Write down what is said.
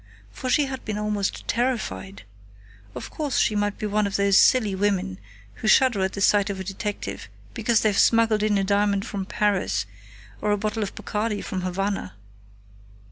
For she had been almost terrified.... Of course she might be one of those silly women who shudder at the sight of a detective, because they've smuggled in a diamond from Paris or a bottle of Bacardi from Havana....